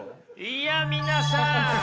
いや皆さん！